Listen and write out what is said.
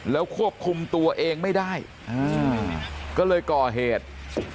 แล้วควบคุมตัวเองไม่ได้ก็เลยก่อเหตุ